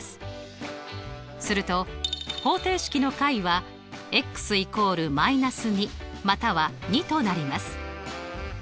すると方程式の解は＝−２または２となります。